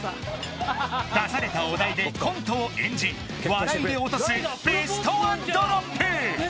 出されたお題でコントを演じ笑いで落とすベストワンドロップ！